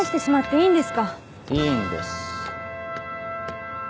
いいんです。